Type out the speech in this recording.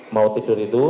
mau tidur itu